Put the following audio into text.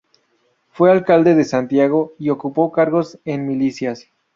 Fue alcalde de Santiago y ocupó cargos en milicias.